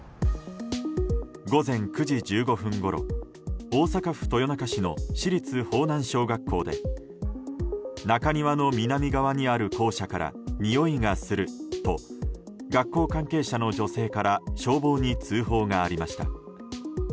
午前９時１５分ごろ大阪府豊中市の市立豊南小学校で中庭の南側にある校舎からにおいがすると学校関係者の女性から消防に通報がありました。